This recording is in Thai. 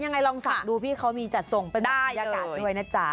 อย่างไรลองสั่งดูพี่เขามีจัดส่งเป็นบัตรยากาศด้วยนะจ๊ะ